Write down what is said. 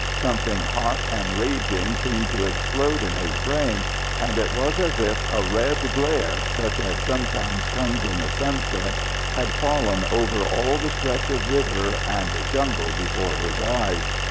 Something hot and raging seemed to explode in his brain and it was as if a red glare, such as sometimes comes in the sunset, had fallen over all the stretch of river and jungle before his eyes.